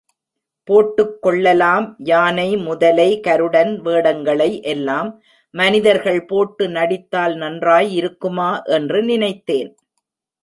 போட்டுக் கொள்ளலாம் யானை, முதலை, கருடன் வேடங்களை எல்லாம் மனிதர்கள் போட்டு நடித்தால் நன்றாயிருக்குமா என்று நினைத்தேன்.